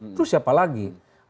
terus siapa lagi